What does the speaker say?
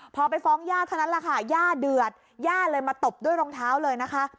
พอไปฟ้องย่าเท่านั้นแหละค่ะย่าเดือดย่าเลยมาตบด้วยรองเท้าเลยนะคะ